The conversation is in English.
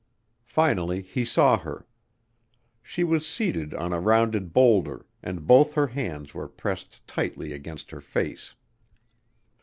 Finally he saw her. She was seated on a rounded bowlder and both her hands were pressed tightly against her face.